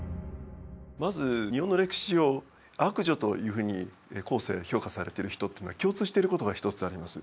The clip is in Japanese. まず日本の歴史上悪女というふうに後世評価されてる人っていうのは共通してることが一つあります。